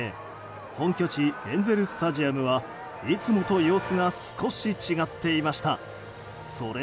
本拠地エンゼル・スタジアムはいつもと様子が少し違っていました。